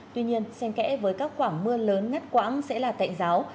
tuy nhiên xem kẽ với các khoảng mưa lớn ngắt quãng sẽ là tệ giáo